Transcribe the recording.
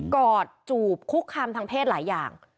อดจูบคุกคามทางเพศหลายอย่าง